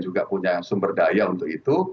juga punya sumber daya untuk itu